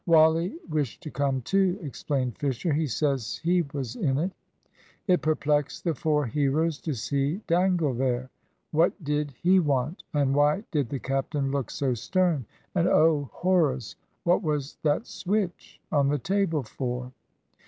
"Wally wished to come too," explained Fisher. "He says he was in it." It perplexed the four heroes to see Dangle there. What did he want! And why did the captain look so stern? And, oh, horrors, what was that switch on the table for?